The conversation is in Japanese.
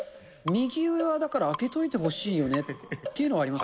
右上はだから空けといてほしいよねっていうのはあります。